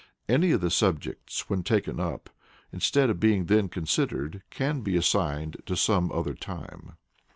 Any of the subjects, when taken up, instead of being then considered, can be assigned to some other time.